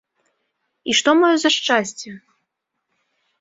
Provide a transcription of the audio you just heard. І што маё за шчасце?